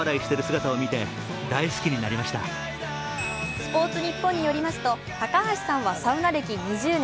スポーツニッポンによりますと高橋さんはサウナ歴２０年。